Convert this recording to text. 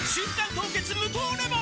凍結無糖レモン」